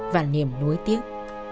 và niềm nuối tiếc